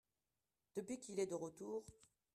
Depuis qu'il est de retour.